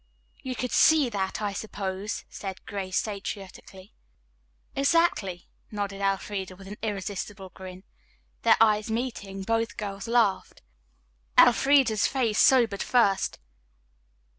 "You could see that, I suppose," said Grace satirically. "Exactly," nodded Elfreda with an irresistible grin. Their eyes meeting, both girls laughed. Elfreda's face sobered first.